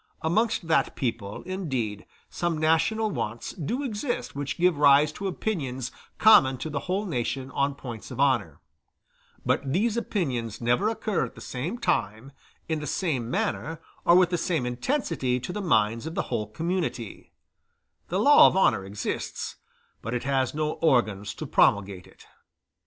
Amongst that people, indeed, some national wants do exist which give rise to opinions common to the whole nation on points of honor; but these opinions never occur at the same time, in the same manner, or with the same intensity to the minds of the whole community; the law of honor exists, but it has no organs to promulgate it.